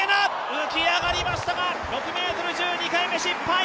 浮き上がりましたが６ｍ１０、２回目失敗。